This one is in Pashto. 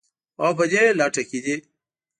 او په دې لټه کې دي